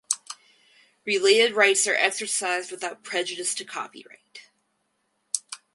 Related rights are exercised without prejudice to copyright.